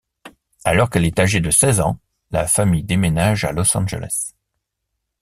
Alors qu'elle est âgée de seize ans, la famille déménage à Los Angeles.